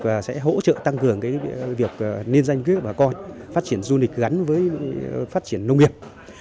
và sẽ hỗ trợ tăng cường việc nên doanh quyết và coi phát triển du lịch gắn với phát triển nông nghiệp